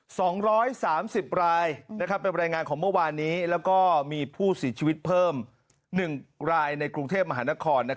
เป็นบรรยายงานของเมื่อวานนี้แล้วก็มีผู้สีชีวิตเพิ่ม๑รายในกรุงเทพมหานคร